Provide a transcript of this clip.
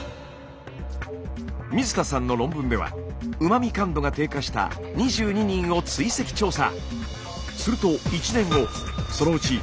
水田さんの論文ではうま味感度が低下した２２人を追跡調査。